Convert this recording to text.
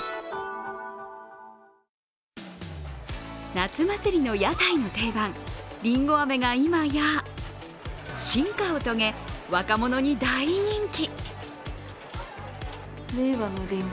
夏祭りの屋台の定番、りんご飴がいまや、進化を遂げ若者に大人気。